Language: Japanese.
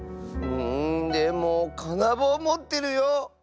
うんでもかなぼうもってるよ。